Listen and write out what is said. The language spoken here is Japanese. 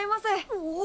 おお！